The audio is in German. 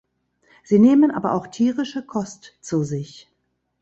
Sie nehmen aber auch tierische Kost zu sich.